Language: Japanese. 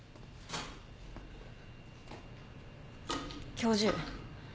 教授。